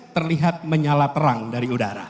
terlihat menyala terang dari udara